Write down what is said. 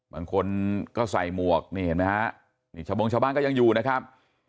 บางคนก็ใส่หมวกนี่เห็นไหมฮะนี่ชาวบงชาวบ้านก็ยังอยู่นะครับ